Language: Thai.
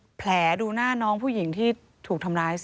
แผลดูหน้าน้องผู้หญิงที่ถูกทำร้าย